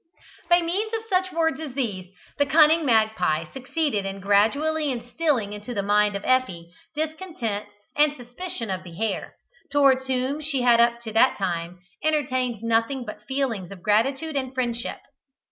By means of such words as these, the cunning magpie succeeded in gradually instilling into the mind of Effie discontent and suspicion of the hare, towards whom she had up to that time entertained nothing but feelings of gratitude and friendship.